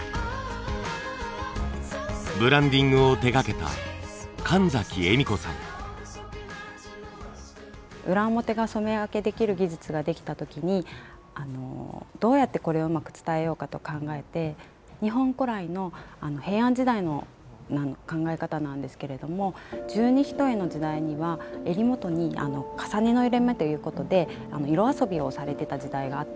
ブランディングを手掛けた裏表が染め分けできる技術ができた時にどうやってこれをうまく伝えようかと考えて日本古来の平安時代の考え方なんですけれども十二単の時代には襟元にかさねの色目ということで色遊びをされてた時代があったんですね。